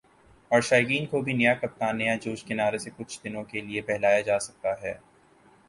اور شائقین کو بھی "نیا کپتان ، نیا جوش" کے نعرے سے کچھ دنوں کے لیے بہلایا جاسکتا ہے ۔